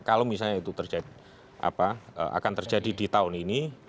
kalau misalnya itu terjadi di tahun ini